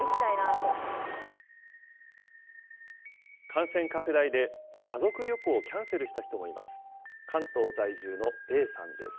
感染拡大で、家族旅行をキャンセルした人もいます。